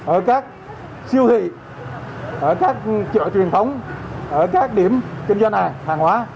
ở các siêu thị ở các chợ truyền thống ở các điểm kinh doanh hàng hóa